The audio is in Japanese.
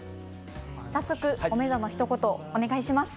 早速おめざのひと言お願いします。